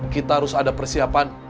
kita harus ada persiapan